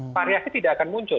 variasi tidak akan muncul